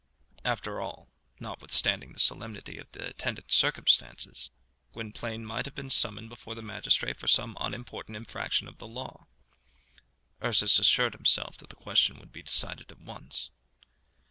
After all, notwithstanding the solemnity of the attendant circumstances, Gwynplaine might have been summoned before the magistrate for some unimportant infraction of the law. Ursus assured himself that the question would be decided at once.